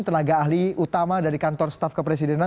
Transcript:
tenaga ahli utama dari kantor staf kepresidenan